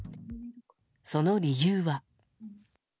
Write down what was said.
その理由は。